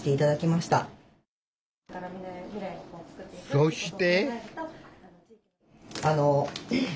そして。